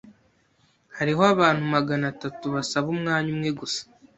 Hariho abantu magana atatu basaba umwanya umwe gusa.